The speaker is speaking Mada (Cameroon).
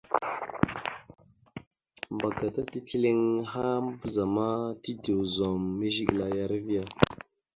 Ambagata tisləliŋ aha mabəza ma, tide ozum Zigəla ya erivea.